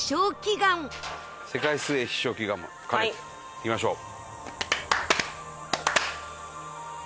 世界水泳必勝祈願も兼ねていきましょう。